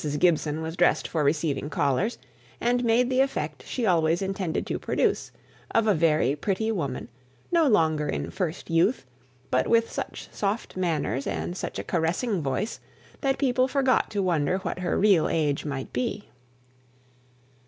Gibson was dressed for receiving callers, and made the effect she always intended to produce, of a very pretty woman, no longer in first youth, but with such soft manners and such a caressing voice, that people forgot to wonder what her real age might be.